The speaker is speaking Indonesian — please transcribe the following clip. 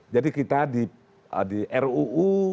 jadi kita di ruu